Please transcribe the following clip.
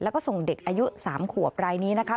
แล้วก็ส่งเด็กอายุ๓ขวบรายนี้นะคะ